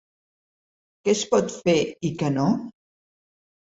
Què es pot fer i què no?